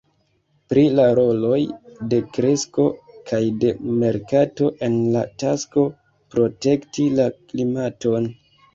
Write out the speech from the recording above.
Pri la roloj de kresko kaj de merkato en la tasko protekti la klimaton.